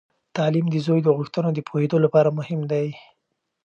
تعلیم د زوی د غوښتنو د پوهیدو لپاره مهم دی.